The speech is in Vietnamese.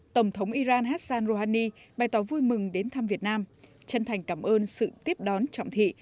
tổng thống iran hassan rouhani bày tỏ vui mừng đến thăm việt nam chân thành cảm ơn sự tiếp đón trọng thị